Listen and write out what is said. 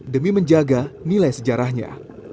demi menjaga nilai sejarahnya